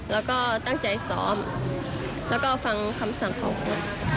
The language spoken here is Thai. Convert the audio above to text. แล้วก็ตั้งใจซ้อมแล้วก็ฟังคำสั่งของคุณ